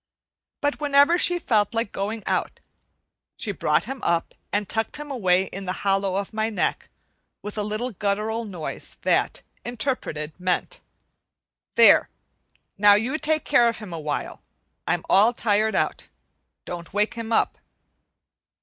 But whenever she felt like going out she brought him up and tucked him away in the hollow of my neck, with a little guttural noise that, interpreted, meant: "There, now you take care of him awhile. I'm all tired out. Don't wake him up."